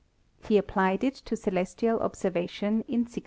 He applied it to celestial observation in 1609.